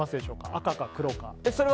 赤か黒か。